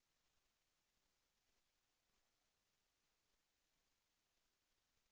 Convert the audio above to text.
แสวได้ไงของเราก็เชียนนักอยู่ค่ะเป็นผู้ร่วมงานที่ดีมาก